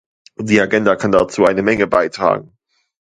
Die Agenda kann dazu eine Menge beitragen.